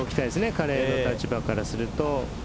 彼の立場からすると。